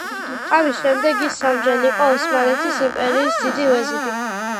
ამის შემდეგ ის სამჯერ იყო ოსმალეთის იმპერიის დიდი ვეზირი.